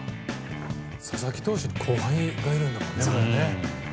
佐々木投手にもう後輩がいるんだもんね。